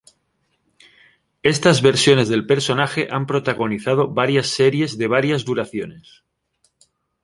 Estas versiones del personaje han protagonizado varias series de varias duraciones.